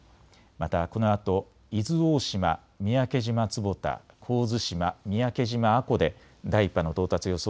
またこのあと伊豆大島、三宅島坪田、神津島、三宅島阿古で第１波の到達予想